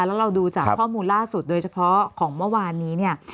แล้วเราดูจากข้อมูลล่าสุดโดยเฉพาะของเมื่อวานนี้เนี่ย